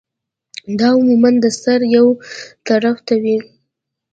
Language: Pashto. دا عموماً د سر يو طرف ته وی